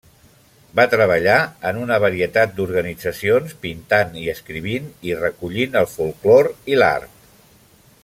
Va treballar en una varietat d'organitzacions, pintant i escrivint, i recollit el folklore i l'art.